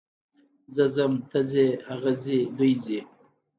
زه ځم، ته ځې، هغه ځي، دوی ځي.